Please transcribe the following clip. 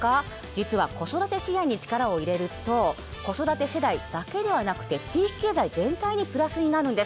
実は子育て支援に力を入れると子育て世代だけではなくて地域経済全体にプラスになるんです。